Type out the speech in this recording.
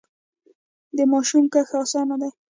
د ماشو کښت اسانه دی.